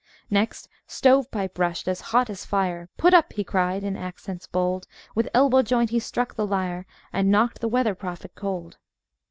Next Stove Pipe rushed, as hot as fire, "Put up!" he cried, in accents bold; With Elbow joint he struck the lyre, And knocked the Weather Prophet cold.